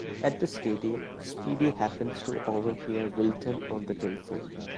At the stadium, Speedy happens to overhear Wilton on the telephone.